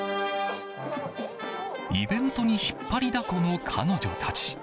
イベントに引っ張りだこの彼女たち。